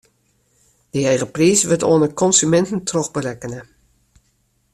Dy hege priis wurdt oan de konsuminten trochberekkene.